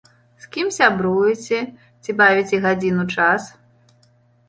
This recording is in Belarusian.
З кім сябруеце, ці бавіце гадзіну час?